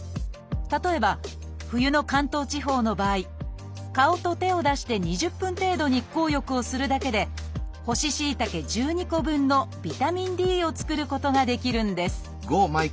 例えば冬の関東地方の場合顔と手を出して２０分程度日光浴をするだけで干ししいたけ１２個分のビタミンＤを作ることができるんです